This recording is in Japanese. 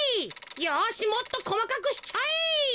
よしもっとこまかくしちゃえ。